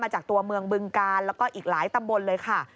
จากตัวเมืองบึงกาลแล้วก็อีกหลายตำบลเลยค่ะ